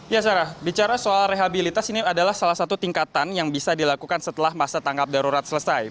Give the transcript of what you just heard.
ya sarah bicara soal rehabilitas ini adalah salah satu tingkatan yang bisa dilakukan setelah masa tangkap darurat selesai